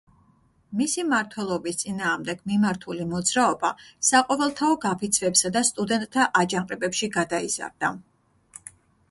მისი მმართველობის წინააღმდეგ მიმართული მოძრაობა საყოველთაო გაფიცვებსა და სტუდენტთა აჯანყებებში გადაიზარდა.